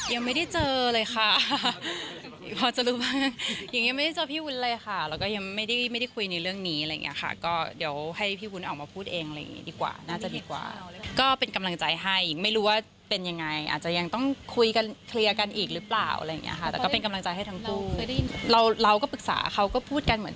ยังไม่ได้เจอเลยค่ะพอจะรู้ว่าอย่างเงี้ไม่ได้เจอพี่วุ้นเลยค่ะแล้วก็ยังไม่ได้ไม่ได้คุยในเรื่องนี้อะไรอย่างเงี้ยค่ะก็เดี๋ยวให้พี่วุ้นออกมาพูดเองอะไรอย่างงี้ดีกว่าน่าจะดีกว่าก็เป็นกำลังใจให้หญิงไม่รู้ว่าเป็นยังไงอาจจะยังต้องคุยกันเคลียร์กันอีกหรือเปล่าอะไรอย่างเงี้ยค่ะแต่ก็เป็นกำลังใจให้ทั้งคู่เราเราก็ปรึกษาเขาก็พูดกันเหมือน